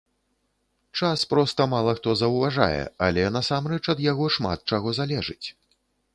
Час проста мала хто заўважае, але насамрэч ад яго шмат чаго залежыць.